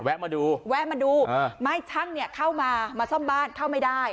แวะมาดูไม่ช่างเข้ามาซ่อมบ้านเข้าไม่ได้